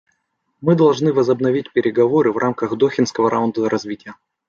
Мы должны возобновить переговоры в рамках Дохинского раунда развития.